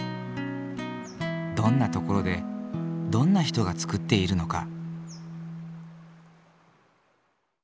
どんな所でどんな人が作っているのか。